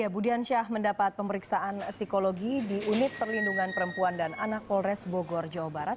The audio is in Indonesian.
budiansyah mendapat pemeriksaan psikologi di unit perlindungan perempuan dan anak polres bogor jawa barat